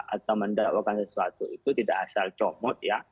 atau mendakwakan sesuatu itu tidak asal comot ya